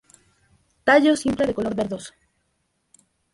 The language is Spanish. Tallo simple de color verdoso.